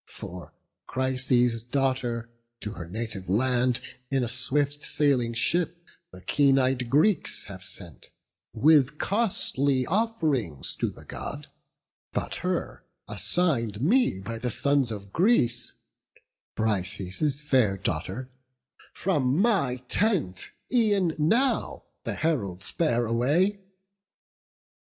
For Chryses' daughter to her native land In a swift sailing ship the keen ey'd Greeks Have sent, with costly off'rings to the God: But her, assign'd me by the sons of Greece, Brises' fair daughter, from my tent e'en now The heralds bear away.